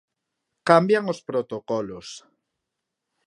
Cambian os protocolos.